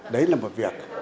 đấy là một việc